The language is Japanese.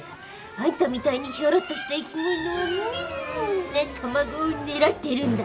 あんたみたいにヒョロッとした生き物はみんな卵を狙ってるんだ。